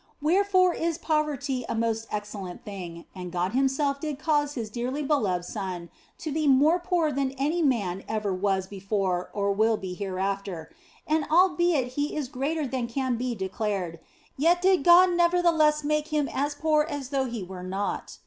Wherefore is poverty a most excellent thing, and God Himself did cause His dearly beloved Son to be more poor than any man ever was before or will be hereafter ; and albeit He is greater than can be declared, yet did God nevertheless make Him as poor as though He were naught.